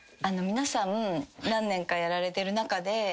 あの皆さん何年かやられてる中で。